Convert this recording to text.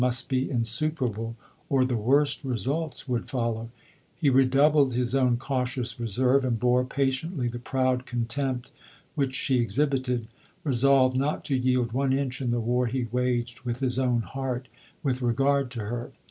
143 must be insuperable, or the worst results would follow: he redoubled bis own cautious reserve, and bore patiently the proud contempt which she exhibited, resolved not to yield one inch in the war he waged with his own heart, with re gard to her.